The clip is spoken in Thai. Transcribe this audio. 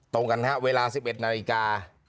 ตรงกันค่ะเวลาสิบเอ็ดนาฬิกา